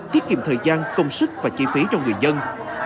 tiết kiệm thời gian công sức và chi phí cho người dân